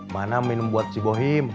mana minum buat si bohim